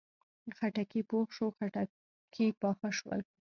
خټکی پوخ شو، خټکي پاخه شول